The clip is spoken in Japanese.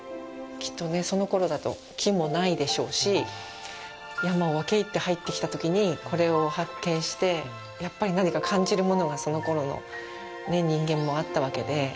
きっとね、そのころだと木もないでしょうし、山を分け入って入ってきたときにこれを発見して、やっぱり何か感じるものがそのころの人間もあったわけで。